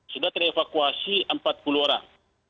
sudah terevakuasi empat puluh orang